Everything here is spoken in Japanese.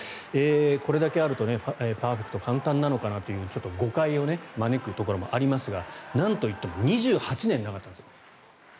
これだけあるとパーフェクト簡単なのかなってちょっと誤解を招くところもありますがなんといっても２８年なかったんです。